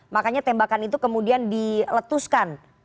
makanya tembakan itu kemudian diletuskan